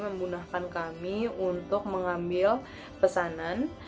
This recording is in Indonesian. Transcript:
memudahkan kami untuk mengambil pesanan